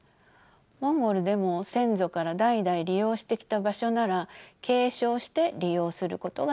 モンゴルでも先祖から代々利用してきた場所なら継承して利用することができます。